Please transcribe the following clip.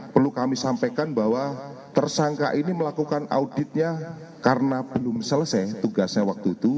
perlu kami sampaikan bahwa tersangka ini melakukan auditnya karena belum selesai tugasnya waktu itu